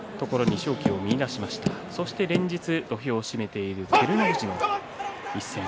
そして連日土俵を締めている照ノ富士。